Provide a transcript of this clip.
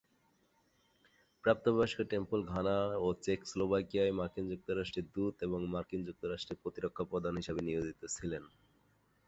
প্রাপ্তবয়স্ক Temple Ghana ও চেকস্লোভাকিয়ায় মার্কিন যুক্তরাষ্ট্রের দূত এবং মার্কিন যুক্তরাষ্ট্রের প্রতিরক্ষা প্রধান হিসেবে নিয়োজিত ছিলেন।